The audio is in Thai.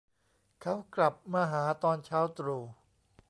เขากลับมาหาตอนเช้าตรู่